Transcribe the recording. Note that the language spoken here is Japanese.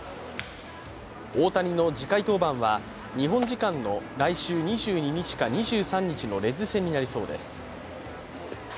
大谷の次回登板は日本時間の来週２２日か２３日のレッズ戦になりそうです。